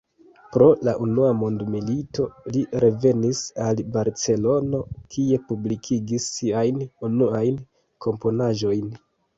Pro la Unua Mondmilito, li revenis al Barcelono, kie publikigis siajn unuajn komponaĵojn.